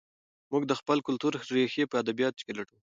موږ د خپل کلتور ریښې په ادبیاتو کې لټوو.